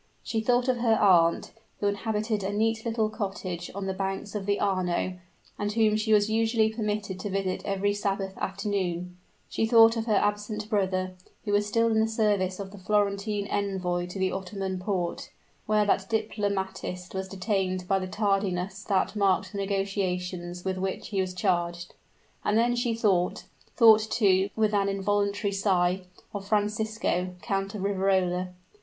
She thought of her aunt, who inhabited a neat little cottage on the banks of the Arno, and whom she was usually permitted to visit every Sabbath afternoon she thought of her absent brother, who was still in the service of the Florentine Envoy to the Ottomon Porte, where that diplomatist was detained by the tardiness that marked the negotiations with which he was charged; and then she thought thought too, with an involuntary sigh of Francisco, Count of Riverola.